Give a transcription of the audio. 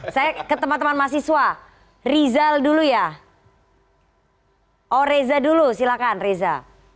saya ke teman teman mahasiswa rizal dulu ya oh reza dulu silakan reza